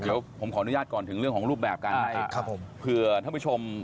เดี๋ยวผมขออนุญาตก่อนถึงเรื่องของรูปแบบกัน